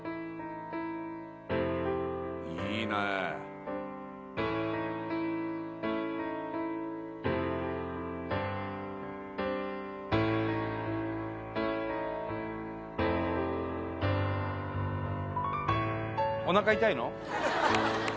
いいねえおなか痛いの？